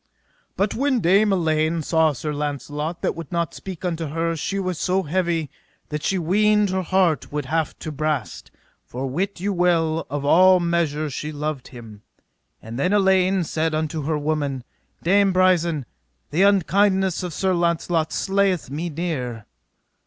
But when Dame Elaine saw Sir Launcelot that would not speak unto her she was so heavy that she weened her heart would have to brast; for wit you well, out of measure she loved him. And then Elaine said unto her woman, Dame Brisen: the unkindness of Sir Launcelot slayeth me near.